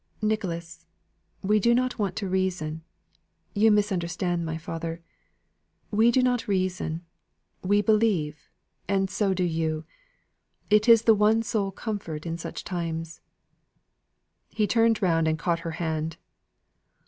"Nicholas, we do not want to reason; you misunderstand my father. We do not reason we believe; and so do you. It is the one sole comfort in such times." He turned round and caught her hand.